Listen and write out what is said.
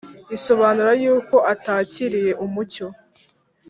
isobanura yuko atakiriye umucyo